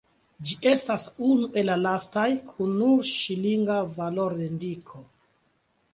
Ĝi estas unu el la lastaj kun nur ŝilinga valorindiko.